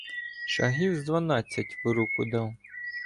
Шагів з дванадцять в руку дав.